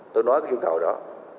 tôi nói cái chuyện khá là đó